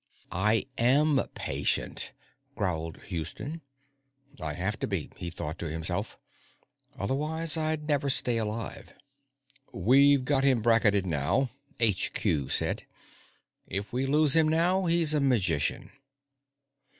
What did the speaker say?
"I am patient," growled Houston. I have to be, he thought to himself, otherwise I'd never stay alive. "We've got him bracketed now," HQ said. "If we lose him now, he's a magician."